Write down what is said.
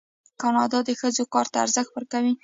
کاناډا د ښځو کار ته ارزښت ورکوي.